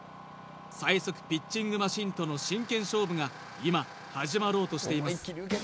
最速ピッチングマシンとの真剣勝負が今始まろうとしています